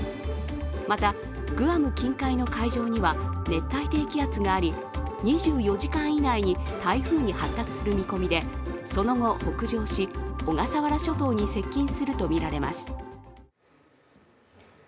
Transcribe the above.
また、グアム近海の海上には熱帯低気圧があり、２４時間以内に発達する見込みで、その後、北上し、小笠原諸島に接近するとみられます。